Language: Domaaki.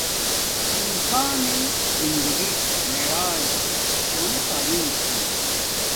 انسانݵ زندگی معراج شونی تعلیم چھی